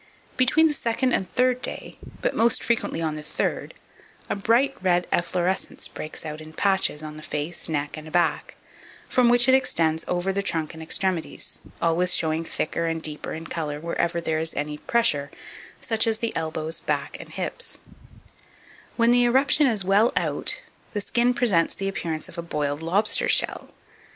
Between the second and __third_ day, but most frequently on the third, a bright red efflorescence breaks out in patches on the face, neck, and back, from which it extends over the trunk and extremities, always showing thicker and deeper in colour wherever there is any pressure, such as the elbows, back, and hips; when the eruption is well out, the skin presents the appearance of a boiled lobster shell.